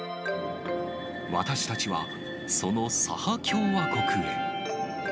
私たちは、そのサハ共和国へ。